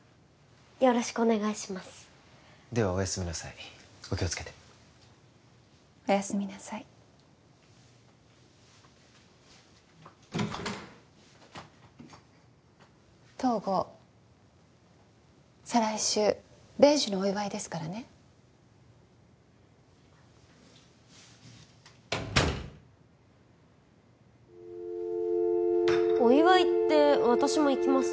よろしくお願いしますではおやすみなさいお気をつけておやすみなさい東郷再来週米寿のお祝いですからねお祝いって私も行きます？